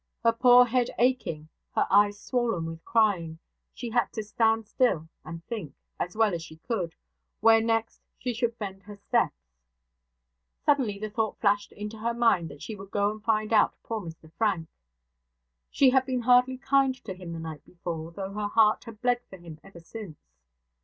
Her poor head aching, her eyes swollen with crying, she had to stand still, and think, as well as she could, where next she should bend her steps. Suddenly the thought flashed into her mind that she would go and find out poor Mr Frank. She had been hardly kind to him the night before, though her heart had bled for him ever since.